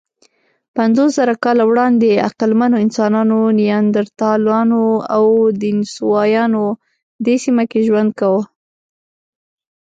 پنځوسزره کاله وړاندې عقلمنو انسانانو، نیاندرتالانو او دنیسووایانو دې سیمه کې ژوند کاوه.